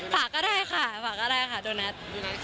สามารถก็ได้ค่ะค่ะโดนัท